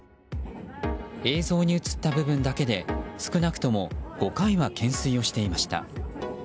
映像に映った部分だけで少なくとも５回は懸垂をしていました。